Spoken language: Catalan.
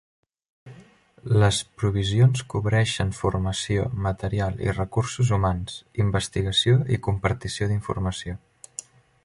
Les provisions cobreixen formació, material i recursos humans, investigació i compartició d'informació.